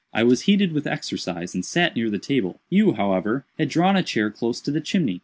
I was heated with exercise and sat near the table. You, however, had drawn a chair close to the chimney.